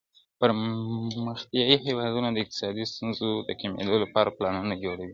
پرمختيايي هېوادونه د اقتصادي ستونزو د کمېدو لپاره پلانونه جوړوي.